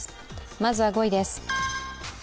まずは５位です。